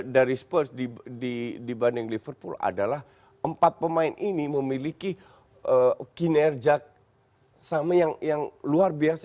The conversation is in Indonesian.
dari spurs dibanding liverpool adalah empat pemain ini memiliki kinerja sama yang luar biasa